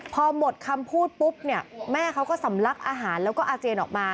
พอหมดคำพูดปุ๊บเนี่ยแม่เขาก็สำลักอาหารแล้วก็อาเจียนออกมา